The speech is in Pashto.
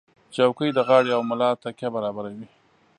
چوکۍ د غاړې او ملا تکیه برابروي.